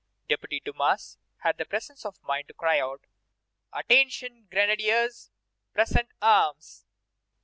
Deputy Dumas had the presence of mind to cry out: "Attention, Grenadiers! present arms!"